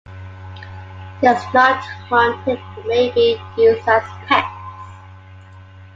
It is not hunted but may be used as pets.